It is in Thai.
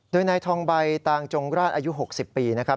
โดยนายทองใบตางจงราชอายุ๖๐ปีนะครับ